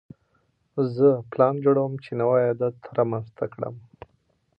زه پلان جوړوم چې نوی عادت رامنځته کړم.